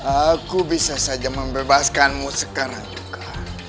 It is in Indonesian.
aku bisa saja membebaskanmu sekarang juga